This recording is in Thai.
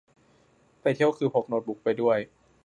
ไปเที่ยวคือพกโน๊ตบุ๊กไปด้วย